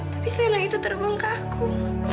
tapi selain yang itu terbang ke aku